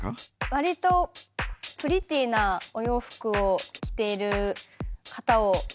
わりとプリティーなお洋服を着ている方を選びました。